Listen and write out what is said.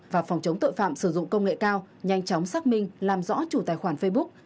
và phòng chống tội phạm sử dụng công nghệ cao nhanh chóng xác minh làm rõ chủ tài khoản facebook